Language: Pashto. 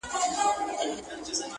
• ته راته وعده خپل د کرم راکه..